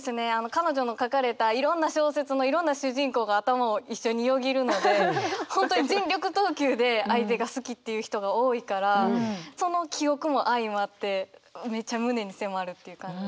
彼女の書かれたいろんな小説のいろんな主人公が頭を一緒によぎるので本当に全力投球で相手が好きっていう人が多いからその記憶も相まってめちゃ胸に迫るっていう感じ。